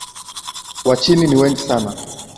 Wachini ni wengi sana